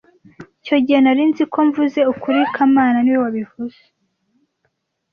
Icyo gihe nari nzi ko mvuze ukuri kamana niwe wabivuze